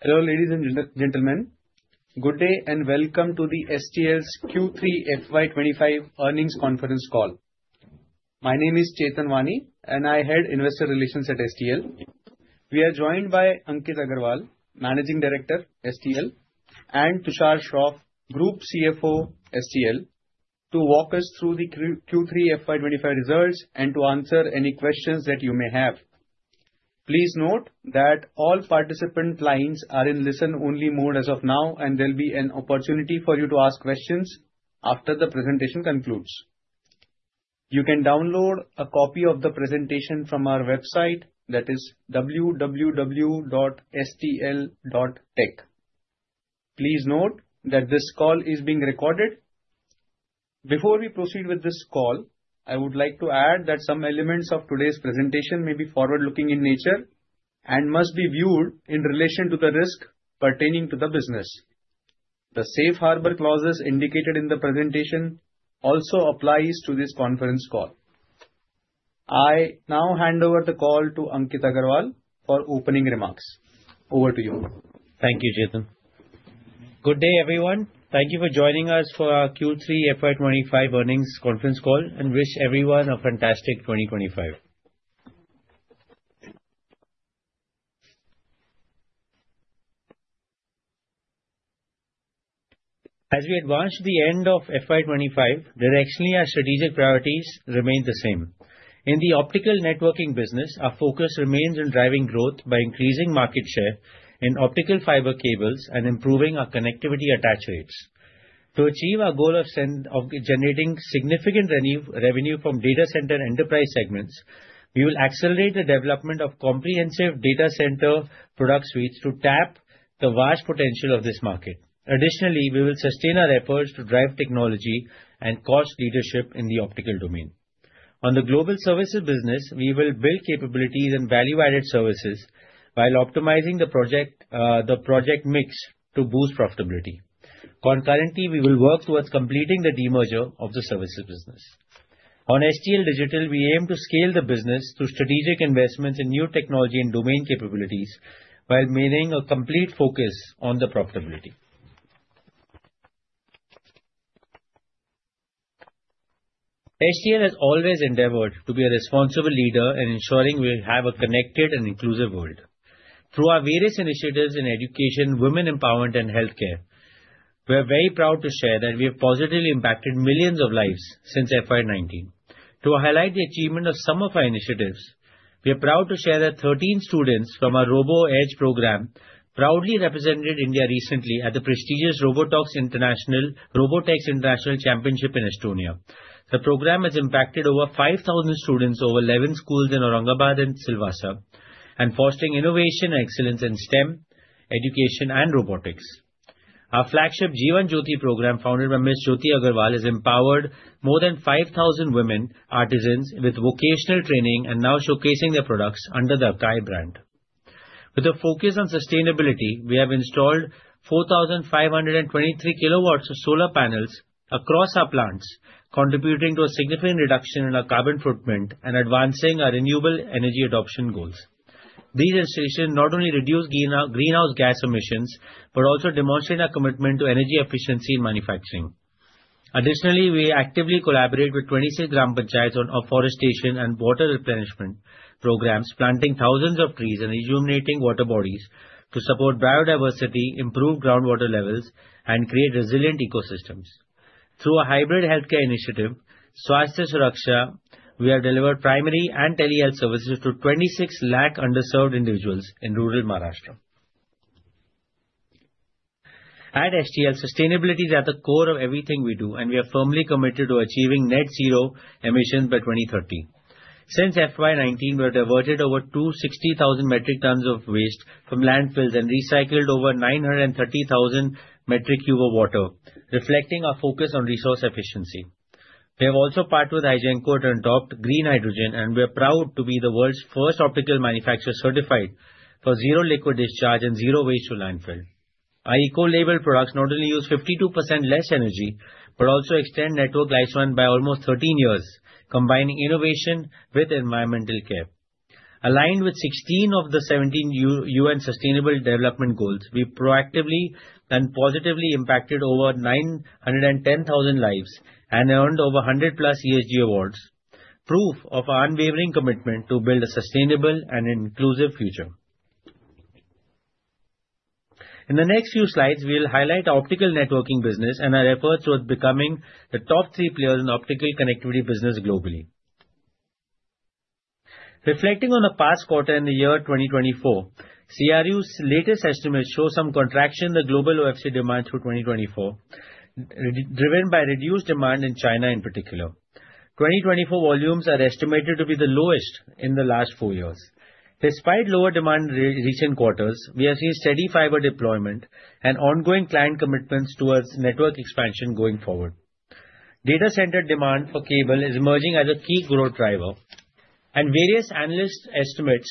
Hello ladies and gentlemen, good day and welcome to the STL's Q3 FY25 earnings conference call. My name is Chetan Wani, and I head investor relations at STL. We are joined by Ankit Agarwal, Managing Director, STL, and Tushar Shroff, Group CFO, STL, to walk us through the Q3 FY25 results and to answer any questions that you may have. Please note that all participant lines are in listen-only mode as of now, and there will be an opportunity for you to ask questions after the presentation concludes. You can download a copy of the presentation from our website, that is www.stl.tech. Please note that this call is being recorded. Before we proceed with this call, I would like to add that some elements of today's presentation may be forward-looking in nature and must be viewed in relation to the risk pertaining to the business. The safe harbor clauses indicated in the presentation also apply to this conference call. I now hand over the call to Ankit Agarwal for opening remarks. Over to you. Thank you, Chetan. Good day, everyone. Thank you for joining us for our Q3 FY25 earnings conference call and wish everyone a fantastic 2025. As we advance to the end of FY25, directionally, our strategic priorities remain the same. In the optical networking business, our focus remains on driving growth by increasing market share in optical fiber cables and improving our connectivity attach rates. To achieve our goal of generating significant revenue from data center enterprise segments, we will accelerate the development of comprehensive data center product suites to tap the vast potential of this market. Additionally, we will sustain our efforts to drive technology and cost leadership in the optical domain. On the global services business, we will build capabilities and value-added services while optimizing the project mix to boost profitability. Concurrently, we will work towards completing the demerger of the services business. On STL Digital, we aim to scale the business through strategic investments in new technology and domain capabilities while maintaining a complete focus on the profitability. STL has always endeavored to be a responsible leader in ensuring we have a connected and inclusive world. Through our various initiatives in education, women empowerment, and healthcare, we are very proud to share that we have positively impacted millions of lives since FY19. To highlight the achievement of some of our initiatives, we are proud to share that 13 students from our RoboEdge program proudly represented India recently at the prestigious Robotex International Championship in Estonia. The program has impacted over 5,000 students over 11 schools in Aurangabad and Silvassa, fostering innovation and excellence in STEM, education, and robotics. Our flagship Jeewan Jyoti program, founded by Ms. Jyoti Agarwal has empowered more than 5,000 women artisans with vocational training and now showcasing their products under the Okhai brand. With a focus on sustainability, we have installed 4,523 kilowatts of solar panels across our plants, contributing to a significant reduction in our carbon footprint and advancing our renewable energy adoption goals. These installations not only reduce greenhouse gas emissions but also demonstrate our commitment to energy efficiency in manufacturing. Additionally, we actively collaborate with 26 Gram Panchayats on afforestation and water replenishment programs, planting thousands of trees and illuminating water bodies to support biodiversity, improve groundwater levels, and create resilient ecosystems. Through a hybrid healthcare initiative, Swasthya Suraksha, we have delivered primary and tele health services to 26 lakh underserved individuals in rural Maharashtra. At STL, sustainability is at the core of everything we do, and we are firmly committed to achieving net zero emissions by 2030. Since FY19, we have diverted over 260,000 metric tons of waste from landfills and recycled over 930,000 metric cubes of water, reflecting our focus on resource efficiency. We have also partnered with Hygenco and adopted Green Hydrogen, and we are proud to be the world's first optical manufacturer certified for Zero Liquid Discharge and Zero Waste to Landfill. Our Eco-labelled products not only use 52% less energy but also extend network lifespan by almost 13 years, combining innovation with environmental care. Aligned with 16 of the 17 UN Sustainable Development Goals, we proactively and positively impacted over 910,000 lives and earned over 100-plus ESG awards, proof of our unwavering commitment to build a sustainable and inclusive future. In the next few slides, we will highlight our optical networking business and our efforts towards becoming the top three players in optical connectivity business globally. Reflecting on the past quarter in the year 2024, CRU's latest estimates show some contraction in the global OFC demand through 2024, driven by reduced demand in China in particular. 2024 volumes are estimated to be the lowest in the last four years. Despite lower demand in recent quarters, we have seen steady fiber deployment and ongoing client commitments towards network expansion going forward. Data center demand for cable is emerging as a key growth driver, and various analyst estimates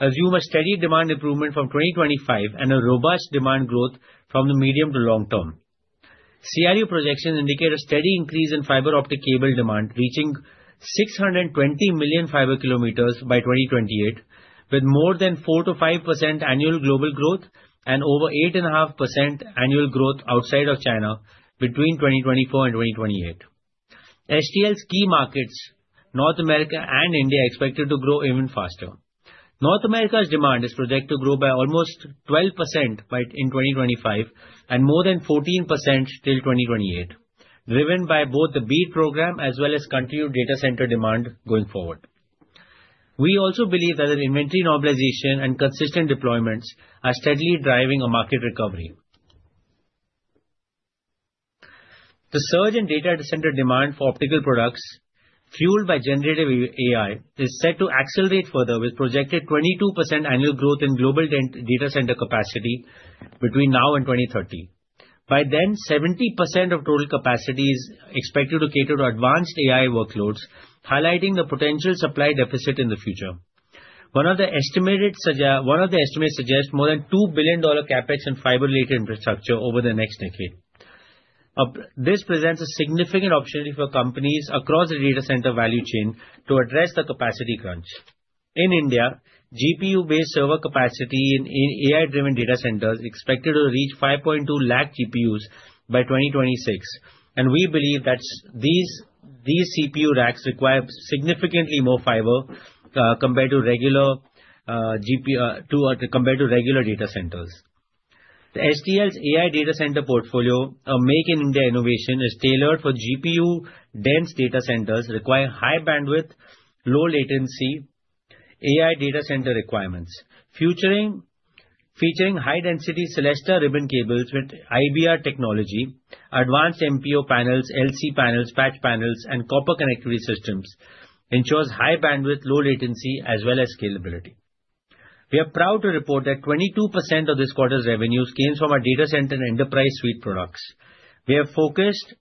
assume a steady demand improvement from 2025 and a robust demand growth from the medium to long term. CRU projections indicate a steady increase in fiber optic cable demand, reaching 620 million fiber kilometers by 2028, with more than 4%-5% annual global growth and over 8.5% annual growth outside of China between 2024 and 2028. STL's key markets, North America and India, are expected to grow even faster. North America's demand is projected to grow by almost 12% in 2025 and more than 14% till 2028, driven by both the BEAD Program as well as continued data center demand going forward. We also believe that inventory normalization and consistent deployments are steadily driving a market recovery. The surge in data center demand for optical products, fueled by generative AI, is set to accelerate further with projected 22% annual growth in global data center capacity between now and 2030. By then, 70% of total capacity is expected to cater to advanced AI workloads, highlighting the potential supply deficit in the future. One of the estimates suggests more than $2 billion CapEx in fiber-related infrastructure over the next decade. This presents a significant opportunity for companies across the data center value chain to address the capacity crunch. In India, GPU-based server capacity in AI-driven data centers is expected to reach 5.2 lakh GPUs by 2026, and we believe that these CPU racks require significantly more fiber compared to regular data centers. STL's AI data center portfolio, a Make-in-India innovation, is tailored for GPU-dense data centers that require high bandwidth, low-latency AI data center requirements. Featuring high-density Celesta ribbon cables with IBR technology, advanced MPO panels, LC panels, patch panels, and copper connectivity systems, it ensures high bandwidth, low latency, as well as scalability. We are proud to report that 22% of this quarter's revenues came from our data center and enterprise suite products. We are focused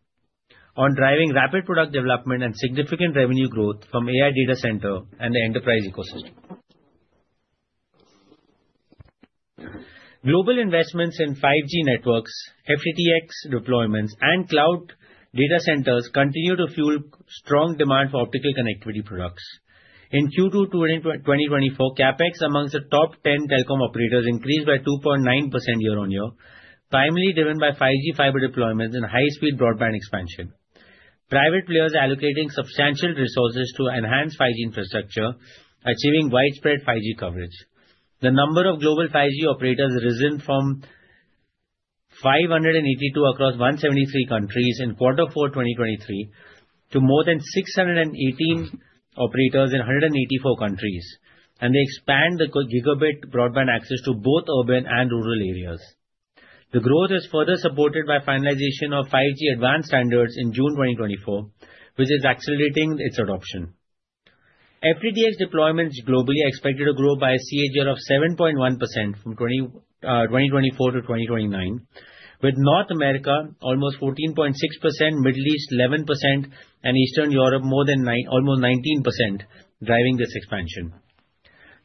on driving rapid product development and significant revenue growth from AI data centers and the enterprise ecosystem. Global investments in 5G networks, FTTx deployments, and cloud data centers continue to fuel strong demand for optical connectivity products. In Q2 2024, CapEx among the top 10 telecom operators increased by 2.9% year-on-year, primarily driven by 5G fiber deployments and high-speed broadband expansion. Private players are allocating substantial resources to enhance 5G infrastructure, achieving widespread 5G coverage. The number of global 5G operators risen from 582 across 173 countries in Q4 2023 to more than 618 operators in 184 countries, and they expand the gigabit broadband access to both urban and rural areas. The growth is further supported by the finalization of 5G advanced standards in June 2024, which is accelerating its adoption. FTTx deployments globally are expected to grow by a CAGR of 7.1% from 2024 to 2029, with North America almost 14.6%, Middle East 11%, and Eastern Europe more than almost 19% driving this expansion.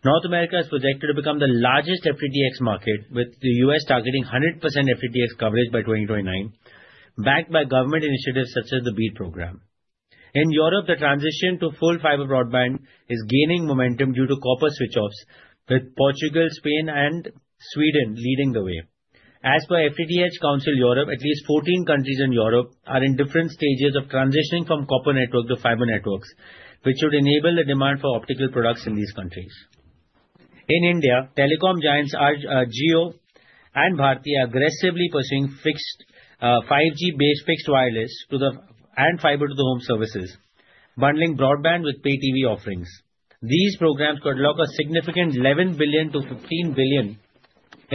North America is projected to become the largest FTTx market, with the U.S. targeting 100% FTTx coverage by 2029, backed by government initiatives such as the BEAD program. In Europe, the transition to full fiber broadband is gaining momentum due to copper switch-offs, with Portugal, Spain, and Sweden leading the way. As per FTTH Council Europe, at least 14 countries in Europe are in different stages of transitioning from copper network to fiber networks, which should enable the demand for optical products in these countries. In India, telecom giants Jio and Bharti are aggressively pursuing 5G-based fixed wireless and fiber-to-the-home services, bundling broadband with pay-TV offerings. These programs could lock a significant 11 billion-15 billion in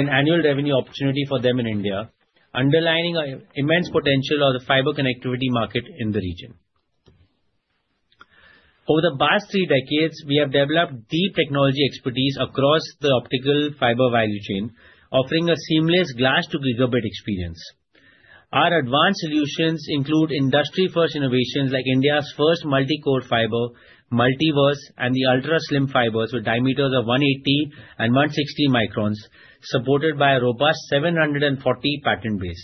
annual revenue opportunity for them in India, underlining the immense potential of the fiber connectivity market in the region. Over the past three decades, we have developed deep technology expertise across the optical fiber value chain, offering a seamless glass-to-gigabit experience. Our advanced solutions include industry-first innovations like India's first multi-core fiber, “Multiverse”, and the ultra-slim fibers with diameters of 180 and 160 microns, supported by a robust 740 patent base.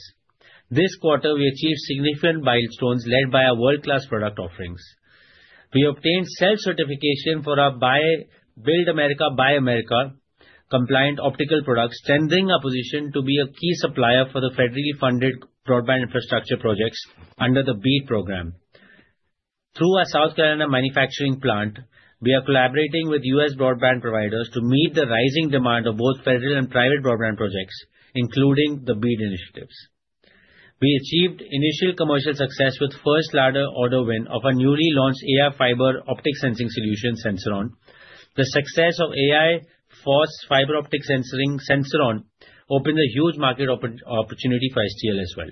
This quarter, we achieved significant milestones led by our world-class product offerings. We obtained self-certification for our ‘Build America Buy America’ compliant optical products, strengthening our position to be a key supplier for the federally funded broadband infrastructure projects under the BEAD Program. Through our South Carolina manufacturing plant, we are collaborating with U.S. broadband providers to meet the rising demand of both federal and private broadband projects, including the BEAD initiatives. We achieved initial commercial success with first-order order win of a newly launched AI fiber optic sensing solution, Sensron. The success of AI-first fiber optic sensing Sensoron opened a huge market opportunity for STL as well.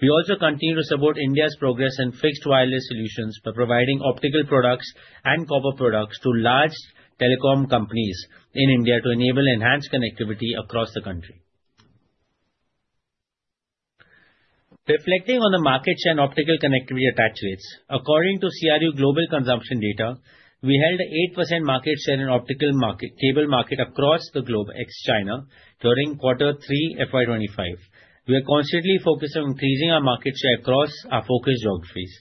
We also continue to support India's progress in fixed wireless solutions by providing optical products and copper products to large telecom companies in India to enable enhanced connectivity across the country. Reflecting on the market share in optical connectivity attach rates, according to CRU global consumption data, we held an 8% market share in the optical cable market across the globe ex-China during Q3 FY25. We are constantly focused on increasing our market share across our focus geographies.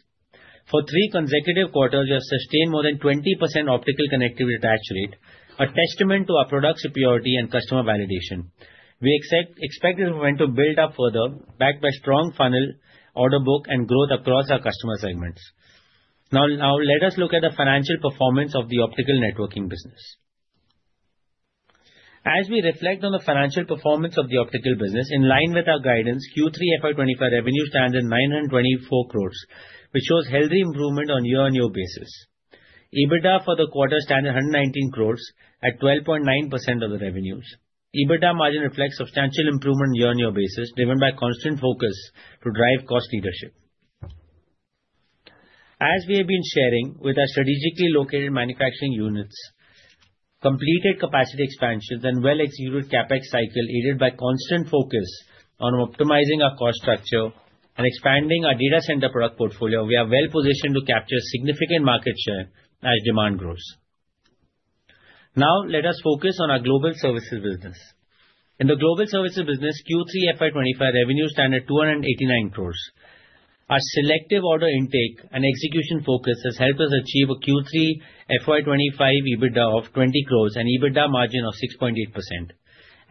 For three consecutive quarters, we have sustained more than 20% optical connectivity attach rate, a testament to our product superiority and customer validation. We expect to build up further backed by strong funnel order book and growth across our customer segments. Now, let us look at the financial performance of the optical networking business. As we reflect on the financial performance of the optical business, in line with our guidance, Q3 FY25 revenue stands at 924 crores, which shows healthy improvement on year-on-year basis. EBITDA for the quarter stands at 119 crores at 12.9% of the revenues. EBITDA margin reflects substantial improvement on year-on-year basis, driven by constant focus to drive cost leadership. As we have been sharing with our strategically located manufacturing units, completed capacity expansions, and well-executed CapEx cycle, aided by constant focus on optimizing our cost structure and expanding our data center product portfolio, we are well-positioned to capture significant market share as demand grows. Now, let us focus on our global services business. In the global services business, Q3 FY25 revenue stands at 289 crores. Our selective order intake and execution focus has helped us achieve a Q3 FY25 EBITDA of 20 crores and EBITDA margin of 6.8%.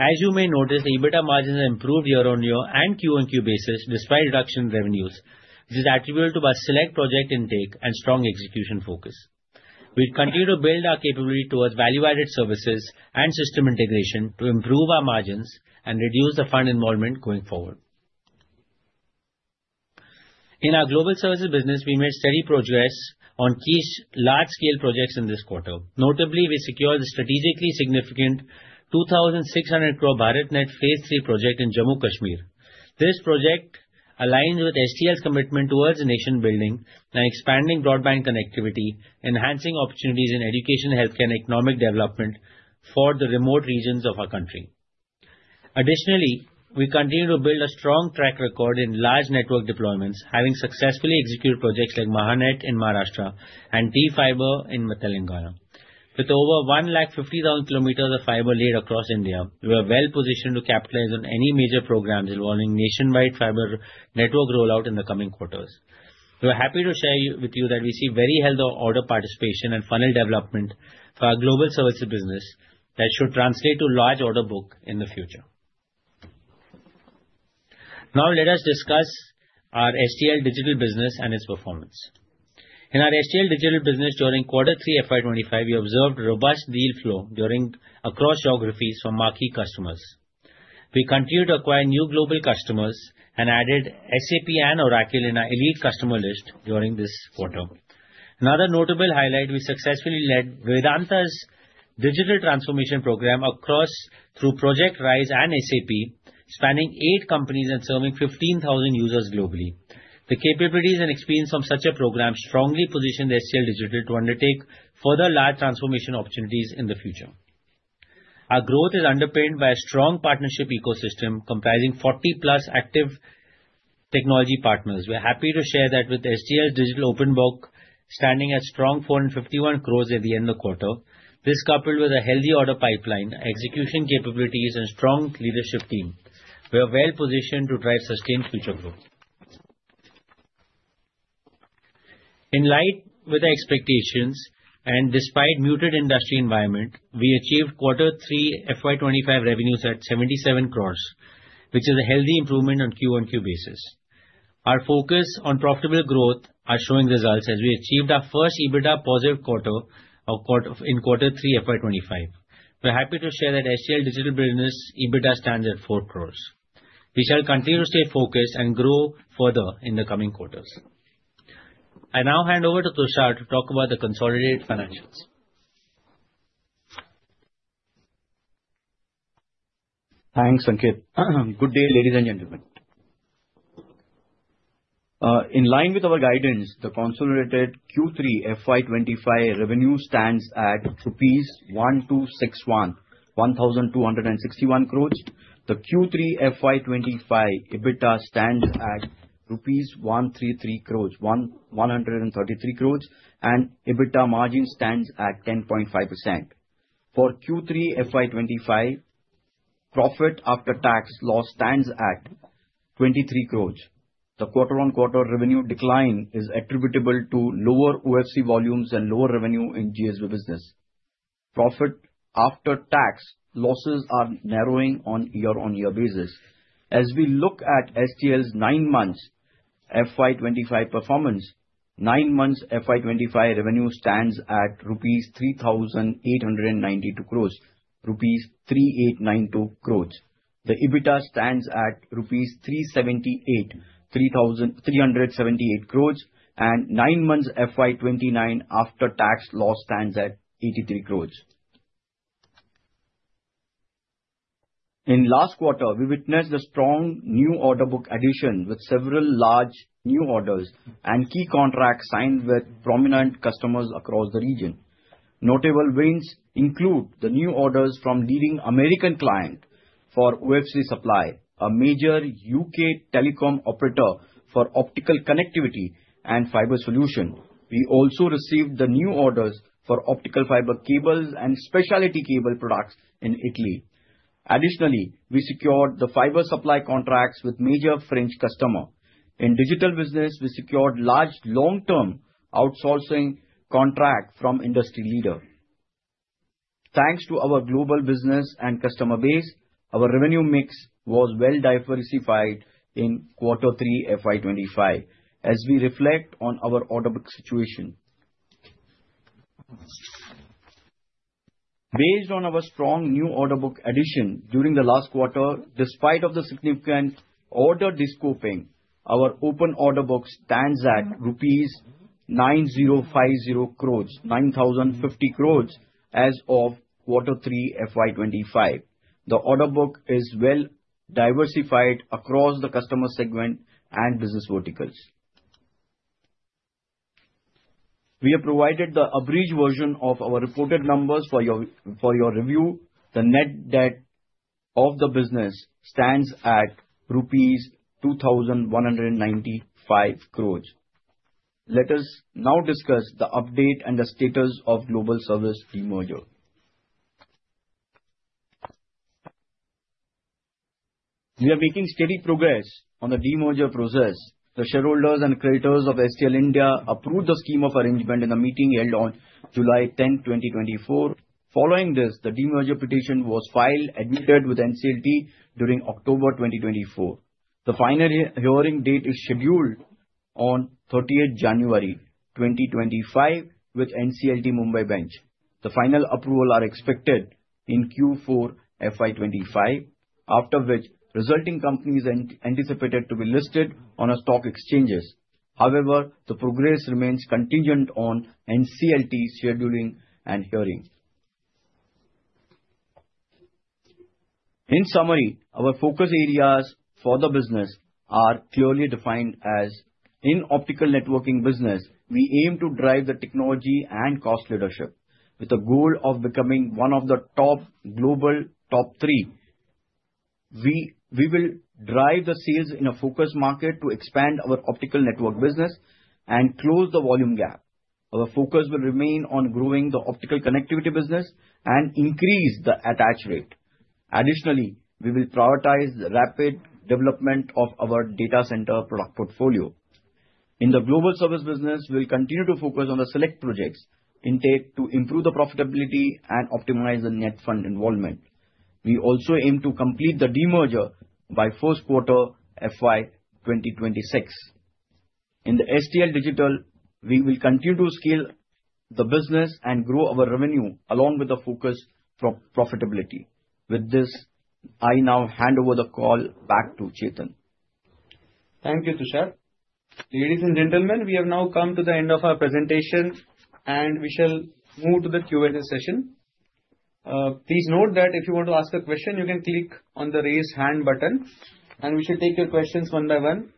As you may notice, the EBITDA margins have improved year-on-year and Q on Q basis despite reduction in revenues. This is attributed to our select project intake and strong execution focus. We continue to build our capability towards value-added services and system integration to improve our margins and reduce the fund involvement going forward. In our global services business, we made steady progress on key large-scale projects in this quarter. Notably, we secured the strategically significant 2,600 crore BharatNet Phase III project in Jammu and Kashmir. This project aligns with STL's commitment towards the nation building and expanding broadband connectivity, enhancing opportunities in education, healthcare, and economic development for the remote regions of our country. Additionally, we continue to build a strong track record in large network deployments, having successfully executed projects like MahaNet in Maharashtra and T-Fiber in Telangana. With over 150,000 km of fiber laid across India, we are well-positioned to capitalize on any major programs involving nationwide fiber network rollout in the coming quarters. We are happy to share with you that we see very healthy order participation and funnel development for our global services business that should translate to a large order book in the future. Now, let us discuss our STL Digital business and its performance. In our STL Digital business, during Q3 FY25, we observed robust deal flow across geographies from marquee customers. We continue to acquire new global customers and added SAP and Oracle in our elite customer list during this quarter. Another notable highlight, we successfully led Vedanta's digital transformation program across, through project RISE and SAP, spanning eight companies and serving 15,000 users globally. The capabilities and experience from such a program strongly position the STL Digital to undertake further large transformation opportunities in the future. Our growth is underpinned by a strong partnership ecosystem comprising 40-plus active technology partners. We are happy to share that with STL's Digital order book standing at a strong 451 crores at the end of the quarter. This, coupled with a healthy order pipeline, execution capabilities, and a strong leadership team, we are well-positioned to drive sustained future growth. In light with the expectations and despite a muted industry environment, we achieved Q3 FY25 revenues at 77 crores, which is a healthy improvement on a Q-on-Q basis. Our focus on profitable growth is showing results as we achieved our first EBITDA-positive quarter in Q3 FY25. We are happy to share that STL Digital business EBITDA stands at 4 crores. We shall continue to stay focused and grow further in the coming quarters. I now hand over to Tushar to talk about the consolidated financials. Thanks, Ankit. Good day, ladies and gentlemen. In line with our guidance, the consolidated Q3 FY25 revenue stands at rupees 1,261 crores. The Q3 FY25 EBITDA stands at rupees 133 crores, and EBITDA margin stands at 10.5%. For Q3 FY25, profit after tax loss stands at 23 crores. The quarter-on-quarter revenue decline is attributable to lower OFC volumes and lower revenue in GS business. Profit after tax losses are narrowing on a year-on-year basis. As we look at STL's nine-month FY25 performance, nine-month FY25 revenue stands at 3,892 crores rupees, 3,892 crores. The EBITDA stands at rupees 3,378 crores, and nine-month FY25 after tax loss stands at 83 crores. In the last quarter, we witnessed a strong new order book addition with several large new orders and key contracts signed with prominent customers across the region. Notable wins include the new orders from a leading American client for OFC Supply, a major U.K. telecom operator for optical connectivity and fiber solutions. We also received the new orders for optical fiber cables and specialty cable products in Italy. Additionally, we secured the fiber supply contracts with major French customers. In digital business, we secured large long-term outsourcing contracts from industry leaders. Thanks to our global business and customer base, our revenue mix was well-diversified in Q3 FY25 as we reflect on our order book situation. Based on our strong new order book addition during the last quarter, despite the significant order descoping, our open order book stands at rupees 9,050 crores, 9,050 crores as of Q3 FY25. The order book is well-diversified across the customer segment and business verticals. We have provided the abridged version of our reported numbers for your review. The net debt of the business stands at rupees 2,195 crores. Let us now discuss the update and the status of global service demerger. We are making steady progress on the demerger process. The shareholders and creditors of STL India approved the scheme of arrangement in a meeting held on July 10, 2024. Following this, the demerger petition was filed, admitted with NCLT during October 2024. The final hearing date is scheduled on 30 January 2025 with NCLT Mumbai Bench. The final approvals are expected in Q4 FY25, after which resulting companies are anticipated to be listed on stock exchanges. However, the progress remains contingent on NCLT scheduling and hearing. In summary, our focus areas for the business are clearly defined as, In optical networking business, we aim to drive the technology and cost leadership. With the goal of becoming one of the top global top three, we will drive the sales in a focus market to expand our optical network business and close the volume gap. Our focus will remain on growing the optical connectivity business and increase the attach rate. Additionally, we will prioritize the rapid development of our data center product portfolio. In the global services business, we will continue to focus on the select projects intake to improve the profitability and optimize the net fund involvement. We also aim to complete the demerger by Q4 FY26. In STL digital, we will continue to scale the business and grow our revenue along with the focus for profitability. With this, I now hand over the call back to Chetan. Thank you, Tushar. Ladies and gentlemen, we have now come to the end of our presentation, and we shall move to the Q&A session. Please note that if you want to ask a question, you can click on the raise hand button, and we shall take your questions one by one.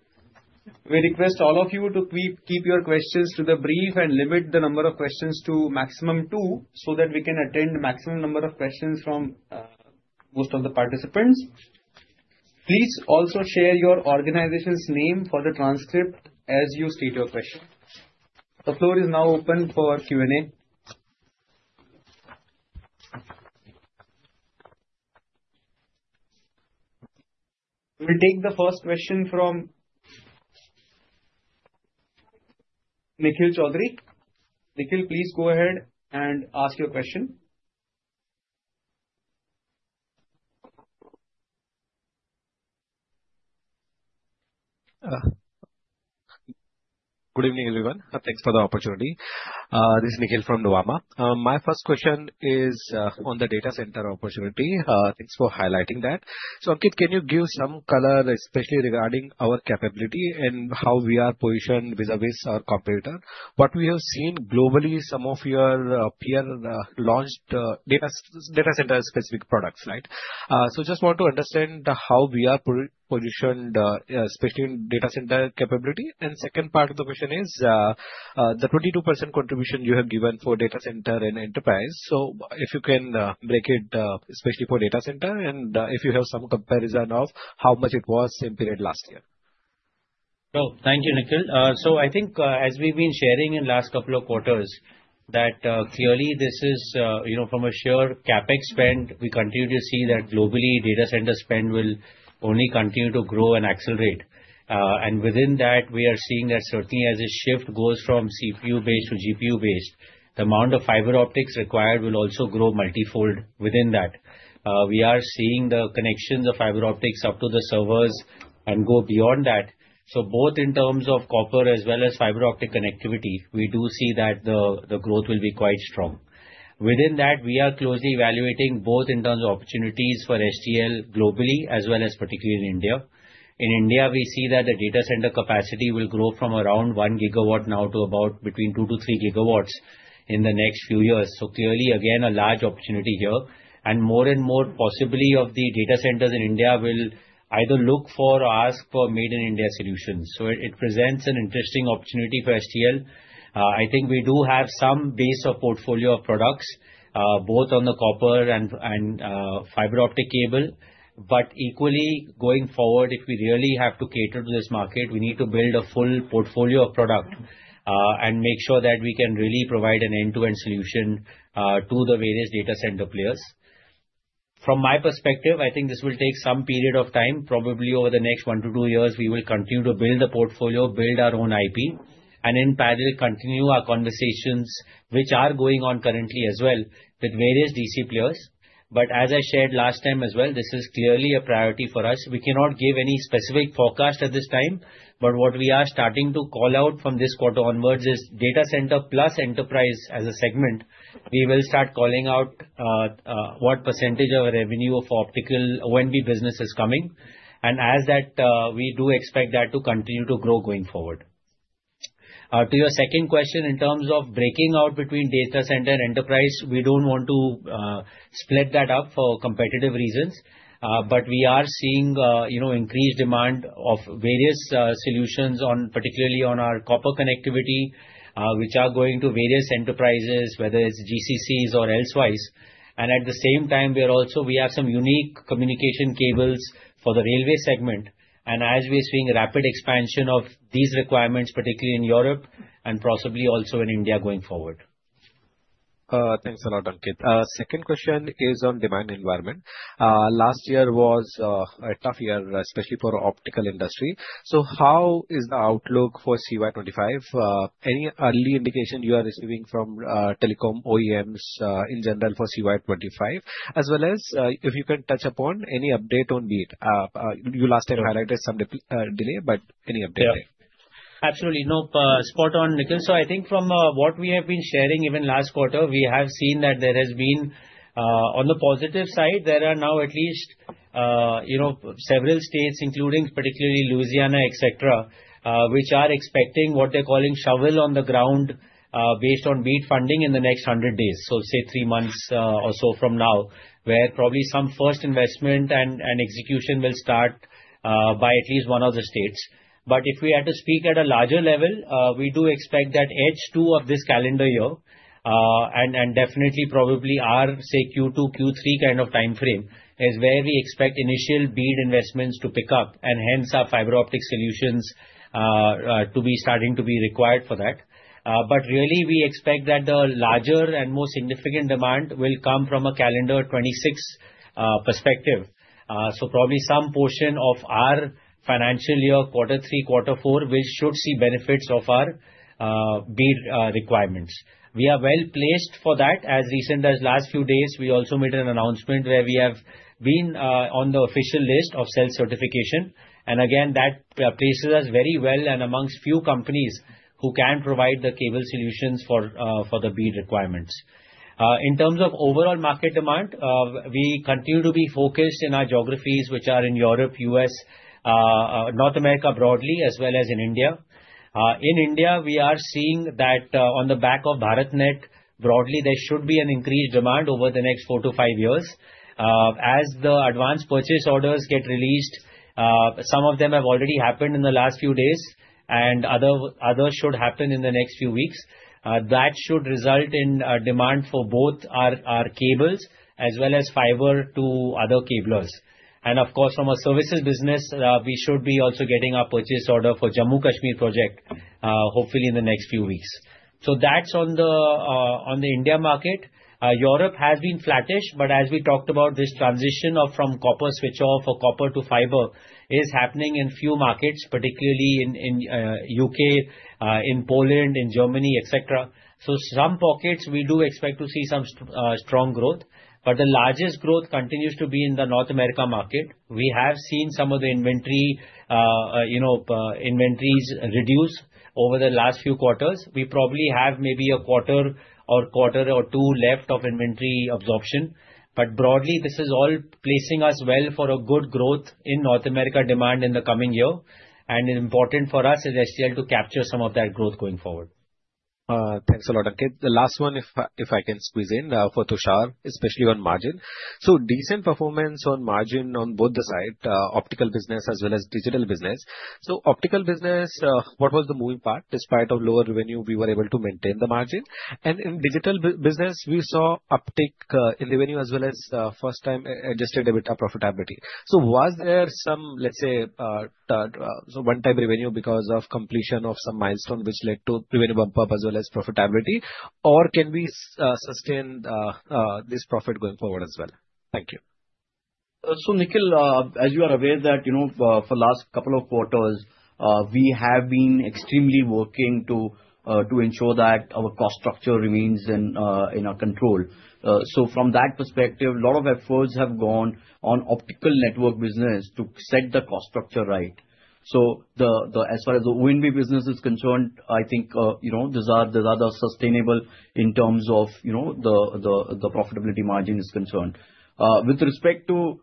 We request all of you to keep your questions to the brief and limit the number of questions to maximum two so that we can attend to the maximum number of questions from most of the participants. Please also share your organization's name for the transcript as you state your question. The floor is now open for Q&A. We will take the first question from Nikhil Choudhary. Nikhil, please go ahead and ask your question. Good evening, everyone. Thanks for the opportunity. This is Nikhil from Nuvama. My first question is on the data center opportunity. Thanks for highlighting that. Ankit, can you give some color, especially regarding our capability and how we are positioned vis-à-vis our competitor? What we have seen globally, some of your peers launched data center-specific products, right? I just want to understand how we are positioned, especially in data center capability. The second part of the question is the 22% contribution you have given for data center and enterprise. If you can break it, especially for data center, and if you have some comparison of how much it was in the same period last year. Thank you, Nikhil. I think, as we've been sharing in the last couple of quarters, that clearly this is from a sure CapEx spend. We continue to see that globally, data center spend will only continue to grow and accelerate. And within that, we are seeing that certainly, as this shift goes from CPU-based to GPU-based, the amount of fiber optics required will also grow multi-fold within that. We are seeing the connections of fiber optics up to the servers and go beyond that. So both in terms of copper as well as fiber optic connectivity, we do see that the growth will be quite strong. Within that, we are closely evaluating both in terms of opportunities for STL globally as well as particularly in India. In India, we see that the data center capacity will grow from around one gigawatt now to about between 2-3 GW in the next few years. So clearly, again, a large opportunity here. And more and more, possibly, of the data centers in India will either look for or ask for made-in-India solutions. So it presents an interesting opportunity for STL. I think we do have some base of portfolio of products, both on the copper and fiber optic cable. But equally, going forward, if we really have to cater to this market, we need to build a full portfolio of product and make sure that we can really provide an end-to-end solution to the various data center players. From my perspective, I think this will take some period of time. Probably over the next one to two years, we will continue to build the portfolio, build our own IP, and in parallel, continue our conversations, which are going on currently as well with various DC players. But as I shared last time as well, this is clearly a priority for us. We cannot give any specific forecast at this time, but what we are starting to call out from this quarter onwards is data center plus enterprise as a segment. We will start calling out what percentage of revenue for the optical networking business is coming. With that, we do expect that to continue to grow going forward. To your second question, in terms of breaking out between data center and enterprise, we don't want to split that up for competitive reasons, but we are seeing increased demand of various solutions, particularly on our copper connectivity, which are going to various enterprises, whether it's GCCs or elsewise. At the same time, we have some unique communication cables for the railway segment, and we are seeing rapid expansion of these requirements, particularly in Europe and possibly also in India going forward. Thanks a lot, Ankit. Second question is on demand environment. Last year was a tough year, especially for the optical industry. How is the outlook for CY 2025? Any early indication you are receiving from telecom OEMs in general for CY25, as well as if you can touch upon any update on BEAD? You last time highlighted some delay, but any update there? Absolutely. Spot on, Nikhil. So I think from what we have been sharing even last quarter, we have seen that there has been on the positive side, there are now at least several states, including particularly Louisiana, etc., which are expecting what they're calling shovel on the ground based on BEAD funding in the next 100 days, so say three months or so from now, where probably some first investment and execution will start by at least one of the states. But if we had to speak at a larger level, we do expect that H2 of this calendar year and definitely probably our our Q2-Q3 kind of time frame is where we expect initial BEAD investments to pick up and hence our fiber optic solutions to be starting to be required for that. But really, we expect that the larger and more significant demand will come from a calendar 2026 perspective. So probably some portion of our financial year, quarter three-quarter four, which should see benefits of our BEAD requirements. We are well placed for that. As recent as last few days, we also made an announcement where we have been on the official list of self-certification. And again, that places us very well amongst few companies who can provide the cable solutions for the BEAD requirements. In terms of overall market demand, we continue to be focused in our geographies, which are in Europe, U.S., North America broadly, as well as in India. In India, we are seeing that on the back of BharatNet, broadly, there should be an increased demand over the next four to five years. As the advance purchase orders get released, some of them have already happened in the last few days, and others should happen in the next few weeks. That should result in demand for both our cables as well as fiber to other cablers. And of course, from a services business, we should be also getting our purchase order for the Jammu and Kashmir project, hopefully in the next few weeks. So that's on the India market. Europe has been flattish, but as we talked about, this transition from copper switch-off or copper to fiber is happening in few markets, particularly in the U.K., in Poland, in Germany, etc. So some pockets we do expect to see some strong growth, but the largest growth continues to be in the North America market. We have seen some of the inventories reduce over the last few quarters. We probably have maybe a quarter or quarter or two left of inventory absorption. But broadly, this is all placing us well for a good growth in North America demand in the coming year, and important for us is STL to capture some of that growth going forward. Thanks a lot, Ankit. The last one, if I can squeeze in for Tushar, especially on margin? So decent performance on margin on both the side, optical business as well as digital business. So, optical business, what was the moving part? Despite of lower revenue, we were able to maintain the margin. And in digital business, we saw uptick in revenue as well as first-time adjusted profitability. So was there some, let's say, one-time revenue because of completion of some milestone which led to revenue bump up as well as profitability? Or can we sustain this profit going forward as well? Thank you. So Nikhil, as you are aware that for the last couple of quarters, we have been extremely working to ensure that our cost structure remains in our control. So from that perspective, a lot of efforts have gone on optical networking business to set the cost structure right. So as far as the ONB business is concerned, I think these are the sustainable in terms of the profitability margin is concerned. With respect to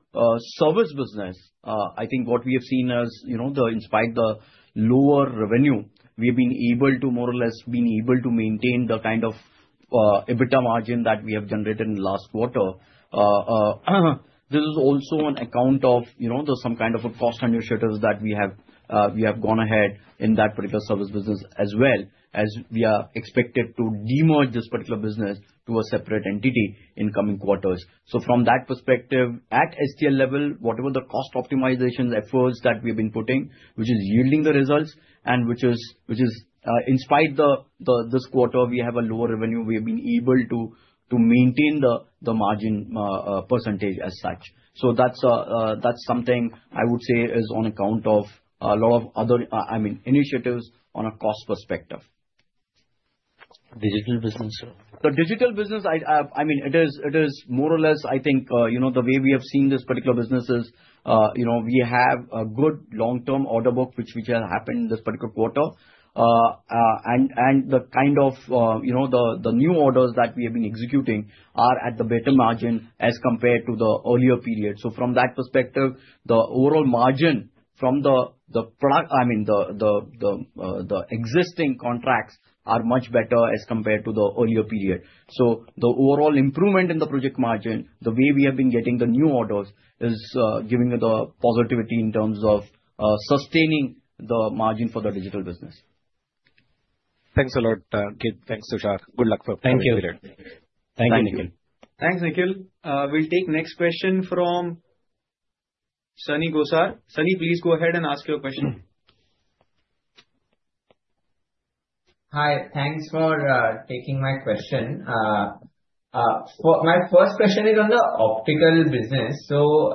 service business, I think what we have seen, despite the lower revenue, we have been able to more or less maintain the kind of EBITDA margin that we have generated in the last quarter. This is also on account of some kind of a cost initiatives that we have gone ahead in that particular service business as well as we are expected to demerge this particular business to a separate entity in coming quarters. So from that perspective, at STL level, whatever the cost optimization efforts that we have been putting, which is yielding the results and which is despite this quarter, we have a lower revenue. We have been able to maintain the margin percentage as such. So that's something I would say is on account of a lot of other, I mean, initiatives on a cost perspective. Digital business. The digital business, I mean, it is more or less, I think the way we have seen this particular business is we have a good long-term order book which has happened in this particular quarter. And the kind of the new orders that we have been executing are at the better margin as compared to the earlier period. So from that perspective, the overall margin from the, I mean, the existing contracts are much better as compared to the earlier period. So the overall improvement in the project margin, the way we have been getting the new orders is giving the positivity in terms of sustaining the margin for the digital business. Thanks a lot, Ankit. Thanks, Tushar. Good luck for the coming period. Thank you, Nikhil. Thanks, Nikhil. We'll take the next question from Sunny Gosar. Sunny, please go ahead and ask your question. Hi. Thanks for taking my question. My first question is on the optical business. So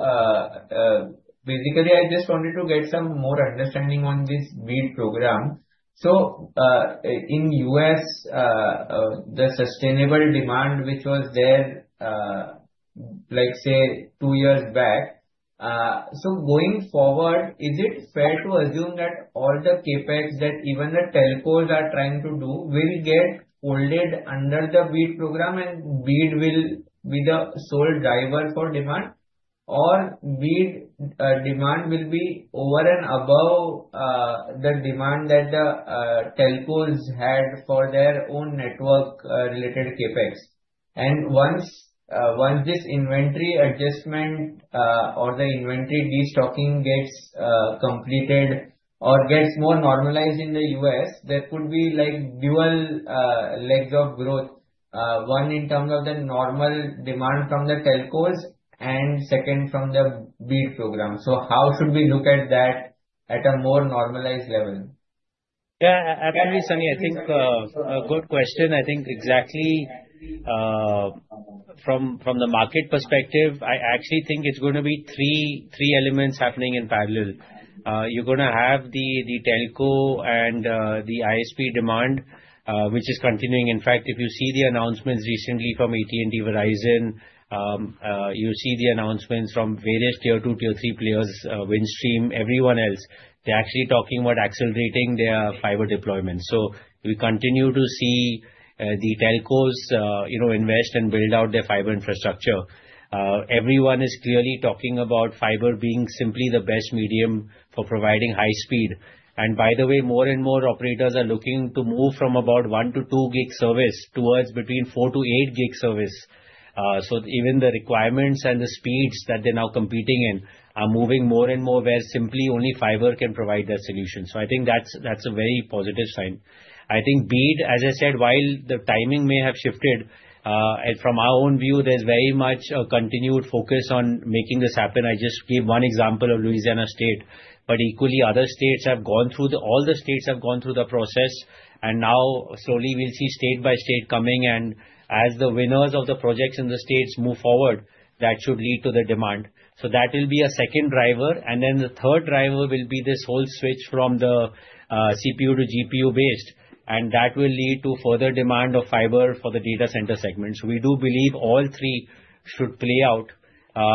basically, I just wanted to get some more understanding on this BEAD program. So in the U.S., the sustainable demand which was there, let's say, two years back. So going forward, is it fair to assume that all the CapEx that even the telcos are trying to do will get folded under the BEAD program and BEAD will be the sole driver for demand? Or BEAD demand will be over and above the demand that the telcos had for their own network-related CapEx? And once this inventory adjustment or the inventory destocking gets completed or gets more normalized in the U.S., there could be dual legs of growth, one in terms of the normal demand from the telcos and second from the BEAD program. So how should we look at that at a more normalized level? Yeah, actually, Sunny, I think a good question. I think exactly from the market perspective, I actually think it's going to be three elements happening in parallel. You're going to have the telco and the ISP demand, which is continuing. In fact, if you see the announcements recently from AT&T, Verizon, you see the announcements from various Tier II, Tier III players, Windstream, everyone else, they're actually talking about accelerating their fiber deployment. So we continue to see the telcos invest and build out their fiber infrastructure. Everyone is clearly talking about fiber being simply the best medium for providing high speed. And by the way, more and more operators are looking to move from about one to two gig service towards between four to eight gig service. So even the requirements and the speeds that they're now competing in are moving more and more where simply only fiber can provide that solution. So I think that's a very positive sign. I think BEAD, as I said, while the timing may have shifted, from our own view, there's very much a continued focus on making this happen. I just gave one example of Louisiana State. But equally, other states have gone through. All the states have gone through the process. And now slowly, we'll see state by state coming. And as the winners of the projects in the states move forward, that should lead to the demand. So that will be a second driver. And then the third driver will be this whole switch from the CPU to GPU based. And that will lead to further demand of fiber for the data center segment. So we do believe all three should play out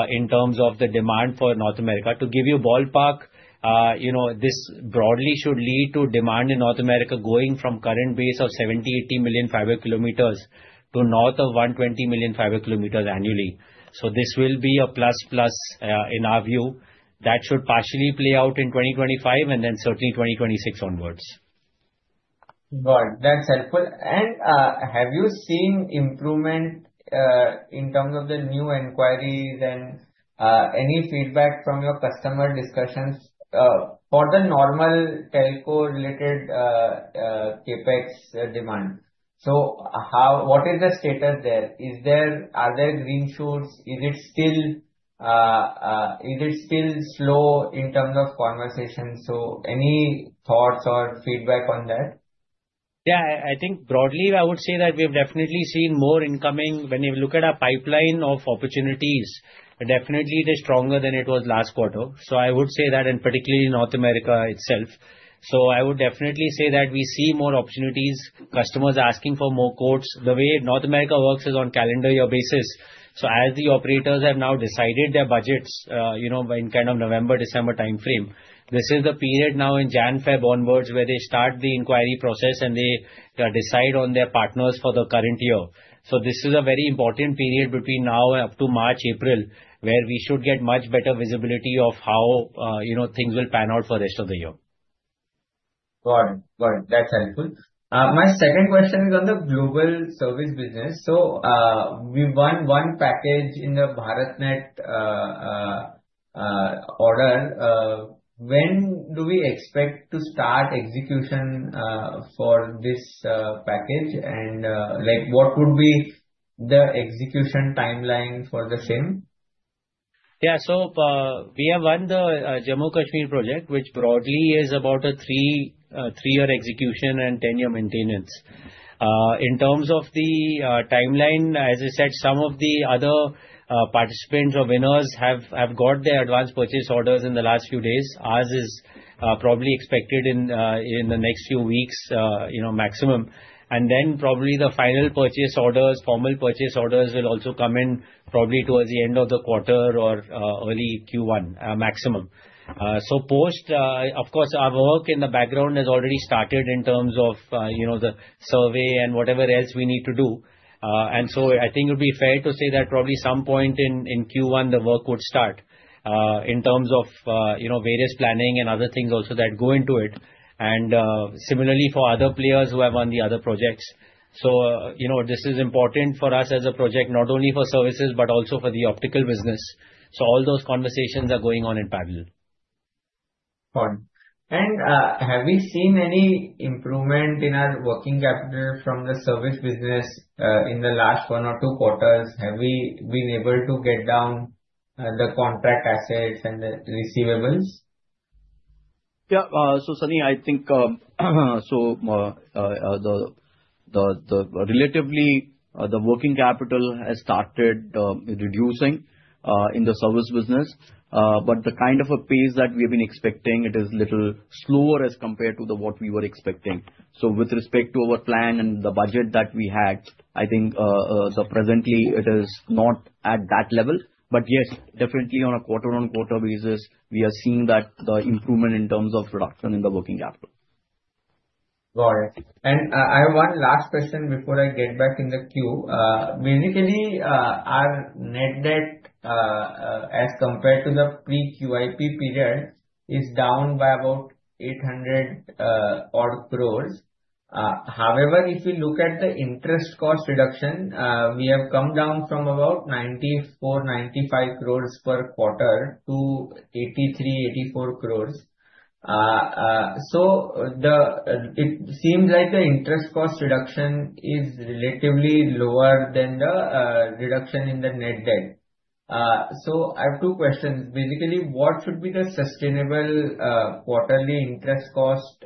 in terms of the demand for North America. To give you a ballpark, this broadly should lead to demand in North America going from current base of 70-80 million fiber kilometers to north of 120 million fiber kilometers annually. So this will be a plus-plus in our view. That should partially play out in 2025 and then certainly 2026 onwards. Got it, that's helpful. And have you seen improvement in terms of the new inquiries and any feedback from your customer discussions for the normal telco-related CapEx demand? So what is the status there? Are there green shoots? Is it still slow in terms of conversation? So any thoughts or feedback on that? Yeah, I think broadly, I would say that we have definitely seen more incoming. When you look at our pipeline of opportunities, definitely it is stronger than it was last quarter. So I would say that, and particularly in North America itself. So I would definitely say that we see more opportunities, customers asking for more quotes. The way North America works is on calendar year basis. So as the operators have now decided their budgets in kind of November, December timeframe, this is the period now in January-February onwards where they start the inquiry process and they decide on their partners for the current year. So this is a very important period between now and up to March, April, where we should get much better visibility of how things will pan out for the rest of the year. Got it, that's helpful. My second question is on the Global Services Business. So we won one package in the BharatNet order. When do we expect to start execution for this package? And what would be the execution timeline for the same? Yeah, so we have won the Jammu and Kashmir project, which broadly is about a three-year execution and 10-year maintenance. In terms of the timeline, as I said, some of the other participants or winners have got their advanced purchase orders in the last few days. Ours is probably expected in the next few weeks maximum. And then probably the final purchase orders, formal purchase orders will also come in probably towards the end of the quarter or early Q1 maximum. So post, of course, our work in the background has already started in terms of the survey and whatever else we need to do. And so I think it would be fair to say that probably some point in Q1, the work would start in terms of various planning and other things also that go into it. And similarly for other players who have won the other projects. So this is important for us as a project, not only for services, but also for the optical business. So all those conversations are going on in parallel. And have we seen any improvement in our working capital from the service business in the last one or two quarters? Have we been able to get down the contract assets and the receivables? Yeah, so Sunny, I think so relatively the working capital has started reducing in the service business. But the kind of a pace that we have been expecting, it is a little slower as compared to what we were expecting. So with respect to our plan and the budget that we had, I think presently it is not at that level. But yes, definitely on a quarter-on-quarter basis, we are seeing that the improvement in terms of production in the working capital. Got it. And I have one last question before I get back in the queue. Basically, our net debt as compared to the pre-QIP period is down by about 800-odd crores. However, if you look at the interest cost reduction, we have come down from about 94-95 crores per quarter to 83-84 crores. So it seems like the interest cost reduction is relatively lower than the reduction in the net debt. So I have two questions. Basically, what should be the sustainable quarterly interest cost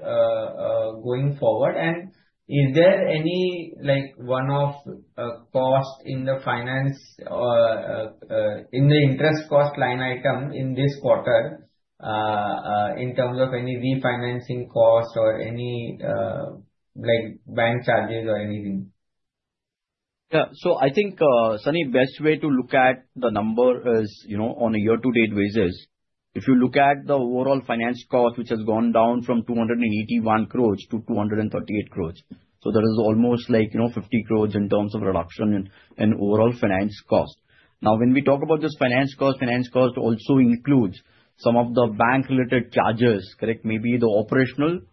going forward?, and is there any one-off cost in the finance in the interest cost line item in this quarter in terms of any refinancing cost or any bank charges or anything? Yeah, so I think, Sunny, best way to look at the number is on a year-to-date basis. If you look at the overall finance cost, which has gone down from 281 crores to 238 crores, so there is almost 50 crores in terms of reduction in overall finance cost. Now, when we talk about this finance cost, finance cost also includes some of the bank-related charges, correct? Maybe the operational, or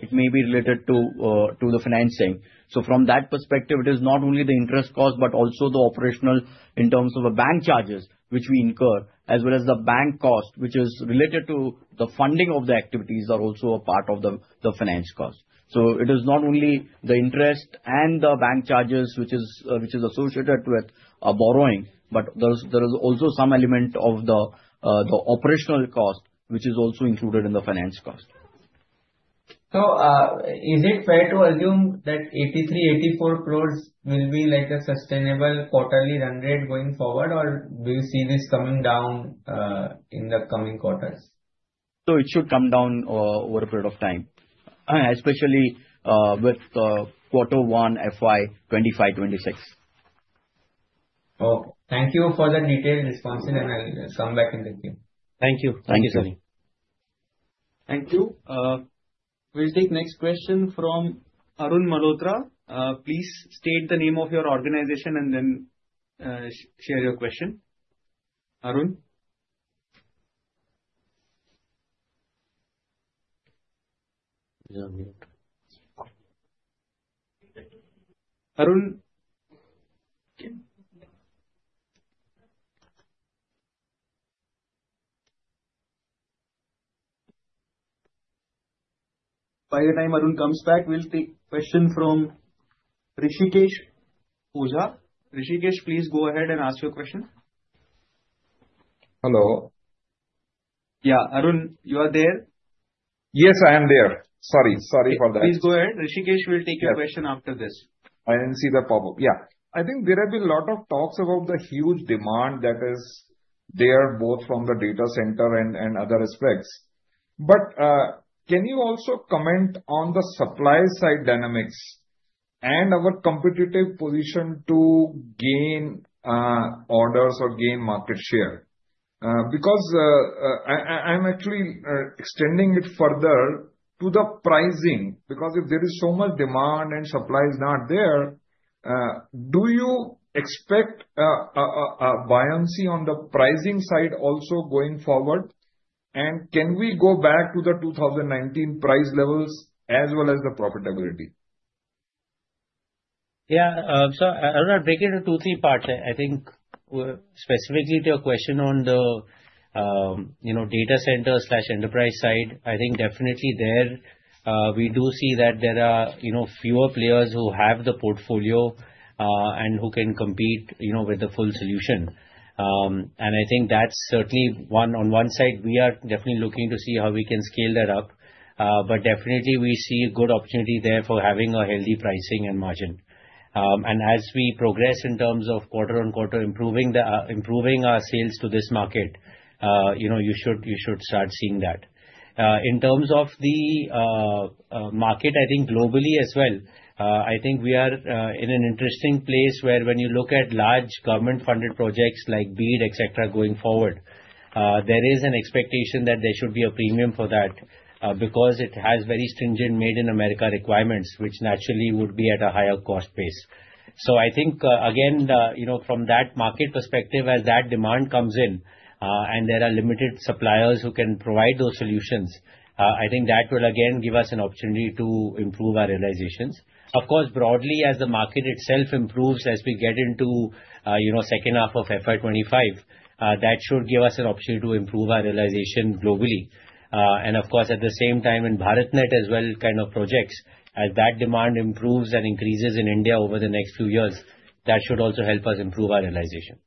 it may be related to the financing. So from that perspective, it is not only the interest cost, but also the operational in terms of the bank charges, which we incur, as well as the bank cost, which is related to the funding of the activities that are also a part of the finance cost. So it is not only the interest and the bank charges, which is associated with borrowing, but there is also some element of the operational cost, which is also included in the finance cost. So is it fair to assume that 83-84 crores will be a sustainable quarterly run rate going forward, or do you see this coming down in the coming quarters? So it should come down over a period of time, especially with quarter one, FY 2025-26. Okay. Thank you for the detailed response, and I'll come back in the queue. Thank you. Thank you, Sunny. Thank you. We'll take the next question from Arun Malhotra. Please state the name of your organization and then share your question. Arun? Arun? By the time Arun comes back, we'll take a question from Rishikesh Oza. Rishikesh, please go ahead and ask your question. Hello. Yeah, Arun, you are there? Yes, I am there. Sorry, sorry for that. Please go ahead. Rishikesh will take your question after this. I didn't see the pop-up. Yeah. I think there have been a lot of talks about the huge demand that is there both from the data center and other aspects. But can you also comment on the supply-side dynamics and our competitive position to gain orders or gain market share? Because I'm actually extending it further to the pricing. Because if there is so much demand and supply is not there, do you expect a buoyancy on the pricing side also going forward? And can we go back to the 2019 price levels as well as the profitability? Yeah, so I'll break it into two, three parts. I think specifically to your question on the data center/enterprise side, I think definitely there we do see that there are fewer players who have the portfolio and who can compete with the full solution. And I think that's certainly on one side, we are definitely looking to see how we can scale that up. But definitely, we see a good opportunity there for having a healthy pricing and margin. And as we progress in terms of quarter-on-quarter improving our sales to this market, you should start seeing that. In terms of the market, I think globally as well, I think we are in an interesting place where when you look at large government-funded projects like BEAD, etc., going forward, there is an expectation that there should be a premium for that because it has very stringent Made in America requirements, which naturally would be at a higher cost base. So I think, again, from that market perspective, as that demand comes in and there are limited suppliers who can provide those solutions, I think that will again give us an opportunity to improve our realizations. Of course, broadly, as the market itself improves, as we get into the second half of FY 2025, that should give us an opportunity to improve our realization globally. And of course, at the same time, in BharatNet as well, kind of projects, as that demand improves and increases in India over the next few years, that should also help us improve our realization.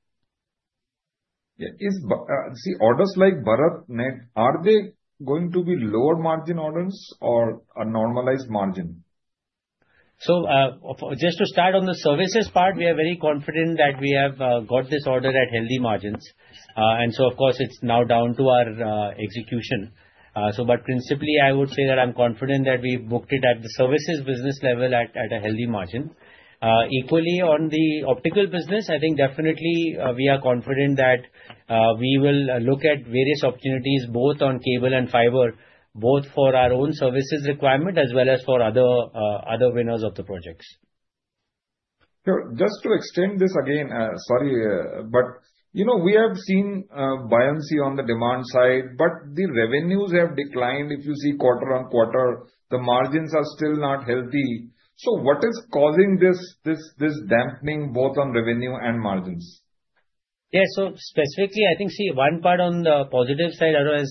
See, orders like BharatNet, are they going to be lower margin orders or a normalized margin? So just to start on the services part, we are very confident that we have got this order at healthy margins. And so, of course, it's now down to our execution. But principally, I would say that I'm confident that we've booked it at the services business level at a healthy margin. Equally, on the optical business, I think definitely we are confident that we will look at various opportunities both on cable and fiber, both for our own services requirement as well as for other winners of the projects. Just to extend this again, sorry, but we have seen buoyancy on the demand side, but the revenues have declined if you see quarter on quarter. The margins are still not healthy, so what is causing this dampening both on revenue and margins? Yeah, so specifically, I think, see, one part on the positive side, otherwise,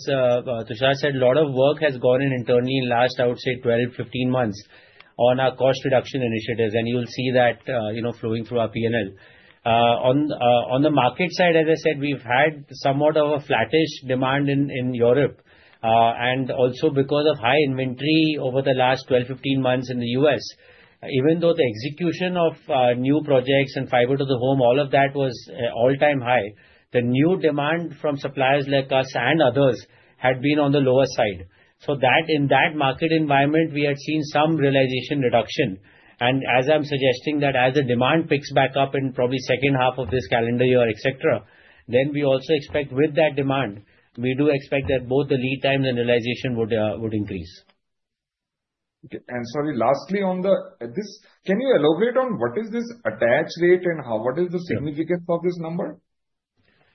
Tushar said, a lot of work has gone in internally in the last 12 months - 15 months on our cost reduction initiatives, and you'll see that flowing through our P&L. On the market side, as I said, we've had somewhat of a flattish demand in Europe. And also because of high inventory over the last 12-15 months in the U.S., even though the execution of new projects and fiber to the home, all of that was all-time high, the new demand from suppliers like us and others had been on the lower side. So in that market environment, we had seen some realization reduction. And as I'm suggesting that as the demand picks back up in probably the second half of this calendar year, etc., then we also expect with that demand, we do expect that both the lead times and realization would increase. And sorry, lastly on this, can you elaborate on what is this attach rate and what is the significance of this number?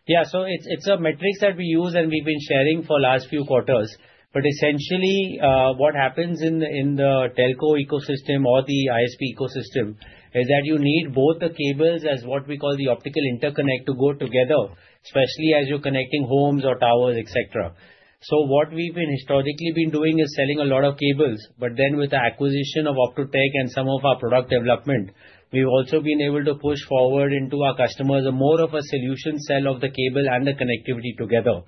Yeah, so it's a metric that we use and we've been sharing for the last few quarters. Essentially, what happens in the telco ecosystem or the ISP ecosystem is that you need both the cables as what we call the optical interconnect to go together, especially as you're connecting homes or towers, etc. So what we've historically been doing is selling a lot of cables. But then with the acquisition of Optotec and some of our product development, we've also been able to push forward into our customers more of a solution sell of the cable and the connectivity together.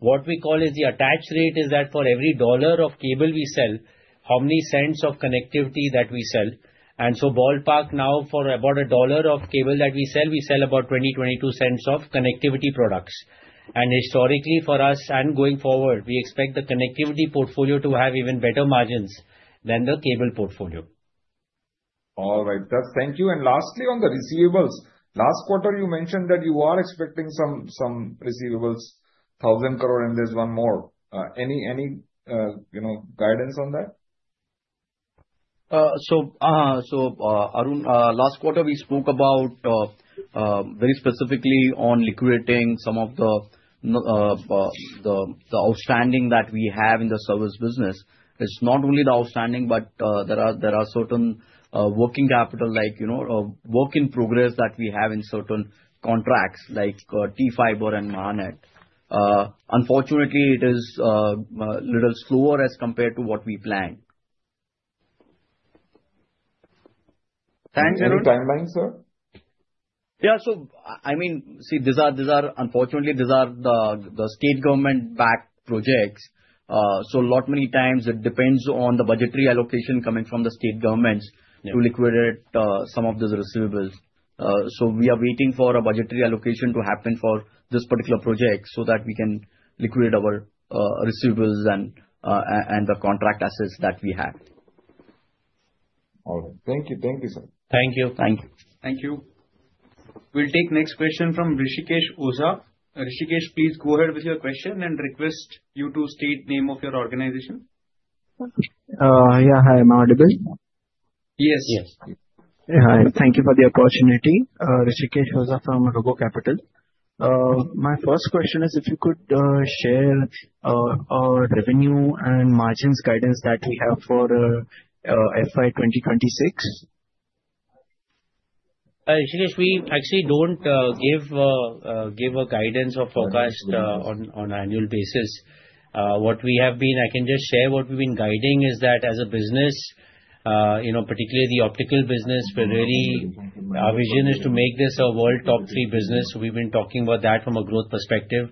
What we call is the attach rate is that for every $1 of cable we sell, how many cents of connectivity that we sell. And so ballpark now for about $1 of cable that we sell, we sell about $0.20-$0.22 of connectivity products. And historically for us and going forward, we expect the connectivity portfolio to have even better margins than the cable portfolio. All right, that's thank you. And lastly, on the receivables, last quarter, you mentioned that you are expecting some receivables, INR 1,000 crore and there's one more. Any guidance on that? So Arun, last quarter, we spoke about very specifically on liquidating some of the outstanding that we have in the service business. It's not only the outstanding, but there are certain working capital like work in progress that we have in certain contracts like T-Fiber and MahaNet. Unfortunately, it is a little slower as compared to what we planned. Thank you. Any timeline, sir? Yeah, so I mean, see, unfortunately, these are the state government-backed projects. So a lot many times, it depends on the budgetary allocation coming from the state governments to liquidate some of those receivables. We are waiting for a budgetary allocation to happen for this particular project so that we can liquidate our receivables and the contract assets that we have. All right. Thank you. Thank you, sir. Thank you. Thank you. Thank you. We'll take the next question from Rishikesh Oza. Rishikesh, please go ahead with your question and request you to state name of your organization. Yeah, hi. Am I audible? Thank you for the opportunity. Rishikesh Oza from Robo Capital. My first question is if you could share our revenue and margins guidance that we have for FY 2026. Rishikesh, we actually don't give a guidance or forecast on an annual basis. What we have been, I can just share what we've been guiding is that as a business, particularly the optical business, our vision is to make this a world top three business. We've been talking about that from a growth perspective.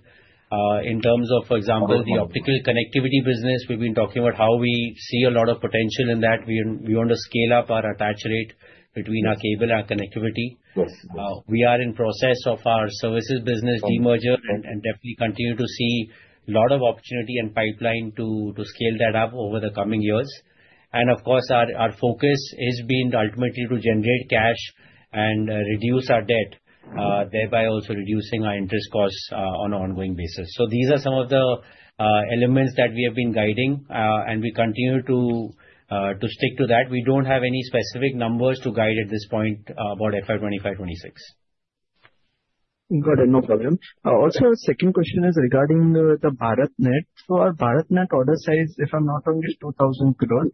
In terms of, for example, the optical connectivity business, we've been talking about how we see a lot of potential in that. We want to scale up our attach rate between our cable and our connectivity. We are in the process of our services business demerger and definitely continue to see a lot of opportunity and pipeline to scale that up over the coming years. And of course, our focus has been ultimately to generate cash and reduce our debt, thereby also reducing our interest costs on an ongoing basis. So these are some of the elements that we have been guiding, and we continue to stick to that. We don't have any specific numbers to guide at this point about FY 2025-26. Got it. No problem. Also, second question is regarding the BharatNet. Our BharatNet order size, if I'm not wrong, is INR 2,000 crore.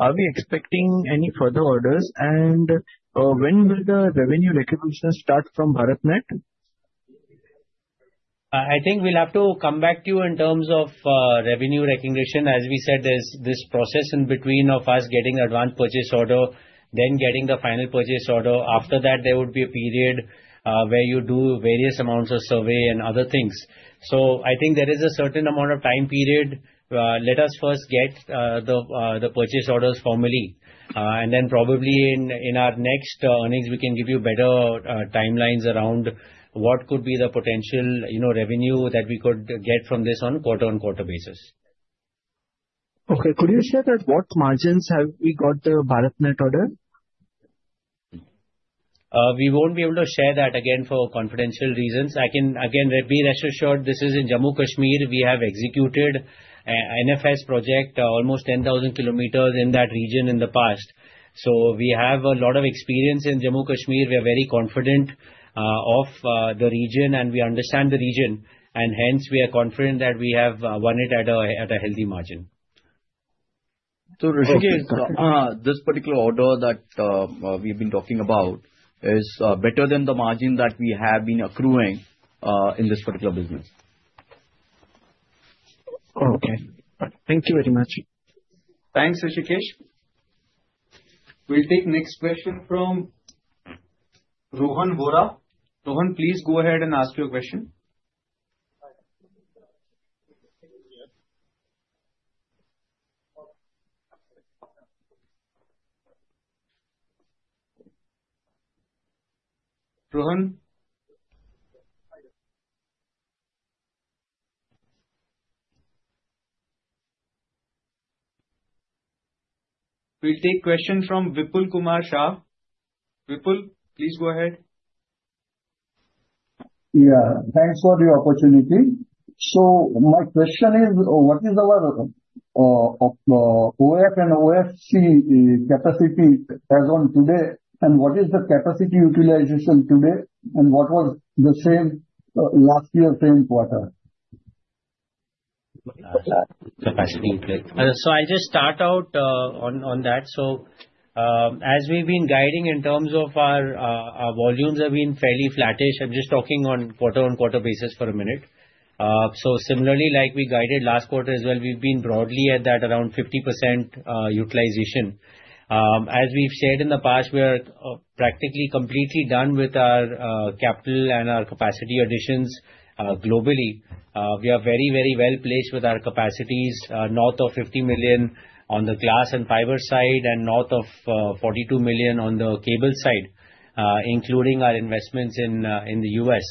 Are we expecting any further orders? And when will the revenue recognition start from BharatNet? I think we'll have to come back to you in terms of revenue recognition. As we said, there's this process in between of us getting advance purchase order, then getting the final purchase order. After that, there would be a period where you do various amounts of survey and other things. I think there is a certain amount of time period. Let us first get the purchase orders formally. And then probably in our next earnings, we can give you better timelines around what could be the potential revenue that we could get from this on a quarter-on-quarter basis. Okay. Could you share that what margins have we got the BharatNet order? We won't be able to share that again for confidential reasons. Again, be reassured, this is in Jammu and Kashmir. We have executed an NFS project, almost 10,000 km in that region in the past. So we have a lot of experience in Jammu and Kashmir. We are very confident of the region, and we understand the region. And hence, we are confident that we have won it at a healthy margin. So Rishikesh, this particular order that we've been talking about is better than the margin that we have been accruing in this particular business. Okay. Thank you very much. Thanks, Rishikesh. We'll take the next question from Rohan Vora. Rohan, please go ahead and ask your question. Rohan. We'll take a question from Vipul Kumar Shah. Vipul, please go ahead. Yeah. Thanks for the opportunity. So my question is, what is our OF and OFC capacity as of today? What is the capacity utilization today? What was the same last year, same quarter? I'll just start out on that. As we've been guiding in terms of our volumes have been fairly flattish. I'm just talking on quarter-on-quarter basis for a minute. Similarly, like we guided last quarter as well, we've been broadly at that around 50% utilization. As we've shared in the past, we are practically completely done with our capital and our capacity additions globally. We are very, very well placed with our capacities north of 50 million on the glass and fiber side and north of 42 million on the cable side, including our investments in the US.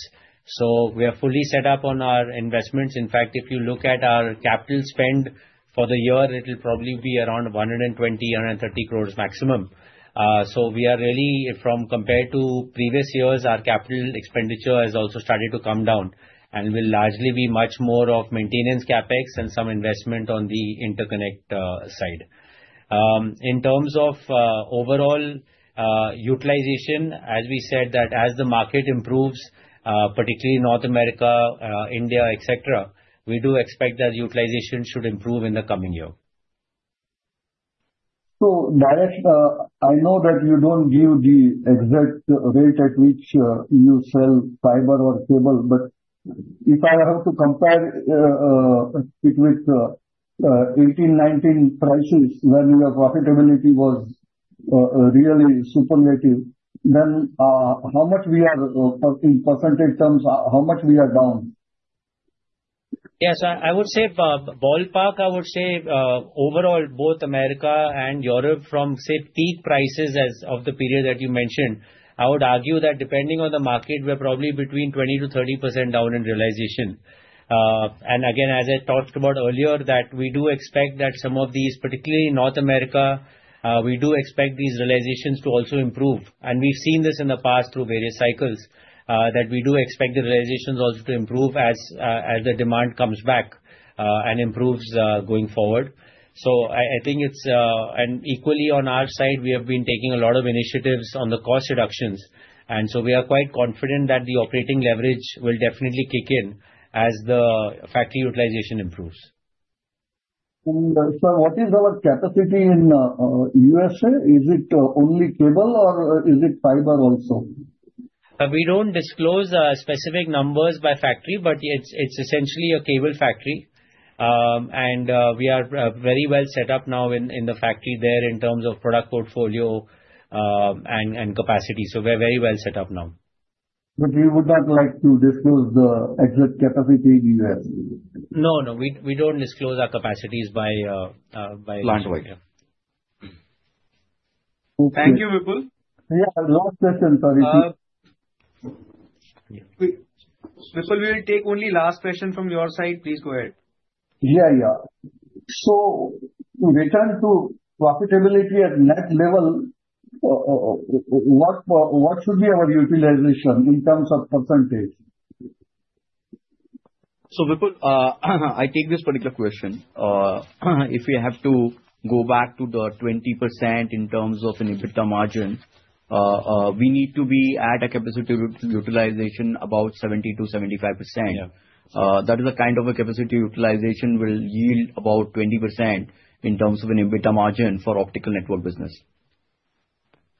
We are fully set up on our investments. In fact, if you look at our capital spend for the year, it will probably be around 120-130 crores maximum. So we are really, from compared to previous years, our capital expenditure has also started to come down and will largely be much more of maintenance CapEx and some investment on the interconnect side. In terms of overall utilization, as we said, that as the market improves, particularly North America, India, etc., we do expect that utilization should improve in the coming year. So I know that you don't give the exact rate at which you sell fiber or cable, but if I have to compare it with 2018, 2019 prices when your profitability was really superlative, then how much we are in percentage terms, how much we are down? Yes, I would say ballpark, I would say overall, both America and Europe from, say, peak prices as of the period that you mentioned. I would argue that depending on the market, we're probably between 20%-30% down in realization. And again, as I talked about earlier, that we do expect that some of these, particularly North America, we do expect these realizations to also improve. And we've seen this in the past through various cycles that we do expect the realizations also to improve as the demand comes back and improves going forward. So I think it's equally on our side, we have been taking a lot of initiatives on the cost reductions. And so we are quite confident that the operating leverage will definitely kick in as the factory utilization improves. And what is our capacity in USA? Is it only cable or is it fiber also? We don't disclose specific numbers by factory, but it's essentially a cable factory. And we are very well set up now in the factory there in terms of product portfolio and capacity. So we're very well set up now. But you would not like to disclose the exact capacity in the U.S.? No, no. We don't disclose our capacities by plant-wide. Thank you, Vipul. Yeah, last question. Sorry. Vipul, we will take only last question from your side. Please go ahead. Yeah, yeah. So return to profitability at net level, what should be our utilization in terms of percentage? So Vipul, I take this particular question. If we have to go back to the 20% in terms of an EBITDA margin, we need to be at a capacity utilization about 70%-75%. That is the kind of a capacity utilization will yield about 20% in terms of an EBITDA margin for optical network business.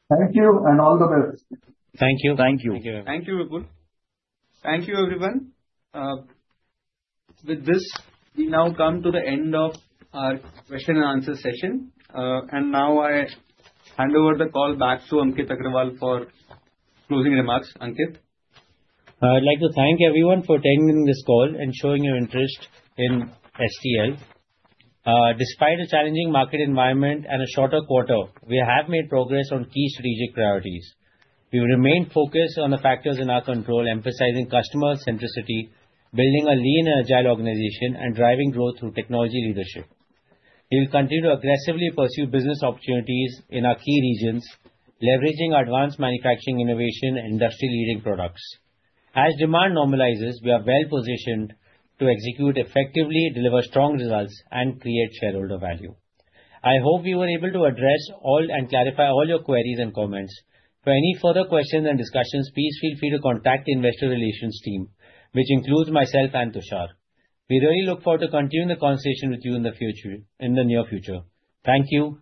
Thank you and all the best. Thank you. Thank you. Thank you, Vipul. Thank you, everyone. With this, we now come to the end of our question and answer session. And now I hand over the call back to Ankit Agarwal for closing remarks. Ankit. I'd like to thank everyone for taking this call and showing your interest in STL. Despite a challenging market environment and a shorter quarter, we have made progress on key strategic priorities. We remain focused on the factors in our control, emphasizing customer centricity, building a lean and agile organization, and driving growth through technology leadership. We will continue to aggressively pursue business opportunities in our key regions, leveraging advanced manufacturing innovation and industry-leading products. As demand normalizes, we are well positioned to execute effectively, deliver strong results, and create shareholder value. I hope we were able to address all and clarify all your queries and comments. For any further questions and discussions, please feel free to contact the investor relations team, which includes myself and Tushar. We really look forward to continuing the conversation with you in the near future. Thank you.